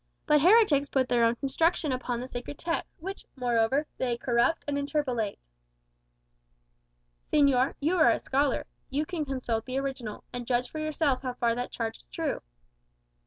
But heretics put their own construction upon the sacred text, which, moreover, they corrupt and interpolate." "Señor, you are a scholar; you can consult the original, and judge for yourself how far that charge is true."